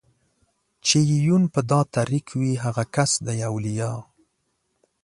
چې يې يون په دا طريق وي هغه کس دئ اوليا